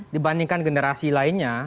dibandingkan generasi lainnya